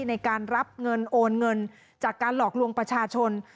ในการรับเงินโอนเงินจากการหลอกลวงประชาชน